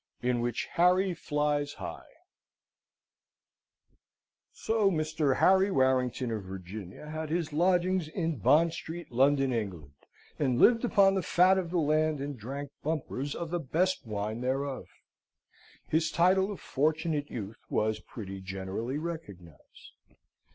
In which Harry flies High So Mr. Harry Warrington, of Virginia, had his lodgings in Bond Street, London, England, and lived upon the fat of the land, and drank bumpers of the best wine thereof. His title of Fortunate Youth was pretty generally recognised.